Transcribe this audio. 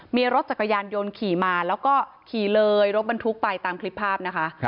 มีรถจักรยานยนต์ขี่มาแล้วก็ขี่เลยรถบรรทุกไปตามคลิปภาพนะคะ